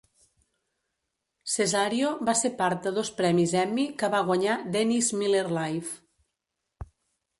Cesario va ser part de dos premis Emmy que va guanyar "Dennis Miller Live".